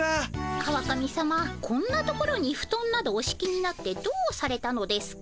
川上さまこんな所にふとんなどおしきになってどうされたのですか？